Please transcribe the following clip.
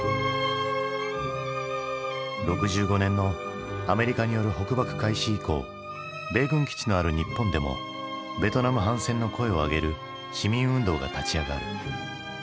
６５年のアメリカによる北爆開始以降米軍基地のある日本でもベトナム反戦の声を上げる市民運動が立ち上がる。